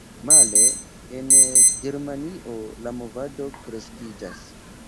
Male, en Germanio, la movado kreskiĝas.